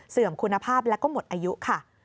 คุณภาพและก็หมดอายุค่ะ